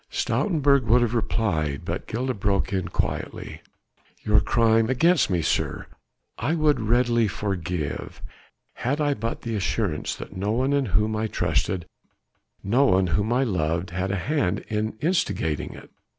Stoutenburg would have replied, but Gilda broke in quietly: "Your crime against me, sir, I would readily forgive, had I but the assurance that no one in whom I trusted, no one whom I loved had a hand in instigating it."